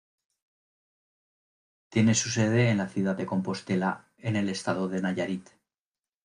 Tiene su sede en la ciudad de Compostela en el estado de Nayarit.